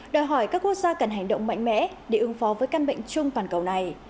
đòi hỏi các quốc gia cần hành động mạnh mẽ để ứng phó với căn bệnh chung toàn cầu này